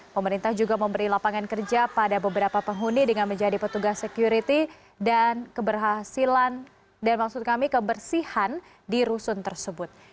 pemerintah juga memberi lapangan kerja pada beberapa penghuni dengan menjadi petugas security dan keberhasilan dan maksud kami kebersihan di rusun tersebut